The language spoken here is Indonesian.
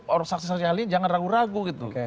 orang saksi saksi ahli jangan ragu ragu gitu